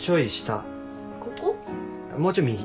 もうちょい右。